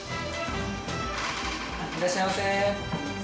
いらっしゃいませ。